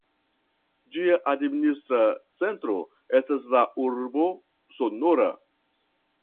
Ĝia administra centro estas la urbo Sonora.